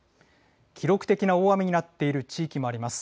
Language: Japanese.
記録的な大雨になっている地域もあります。